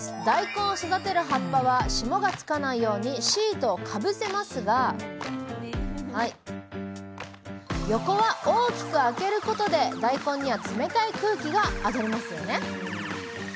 大根を育てる葉っぱは霜がつかないようにシートをかぶせますが横は大きく開けることで大根には冷たい空気が当たりますよね。